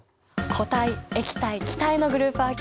固体液体気体のグループ分け